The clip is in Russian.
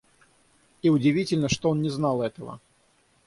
И удивительно, что он не знал этого.